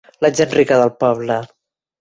La gent rica del poble.